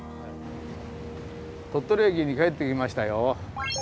鳥取駅に帰ってきましたよ。